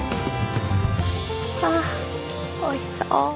あおいしそう。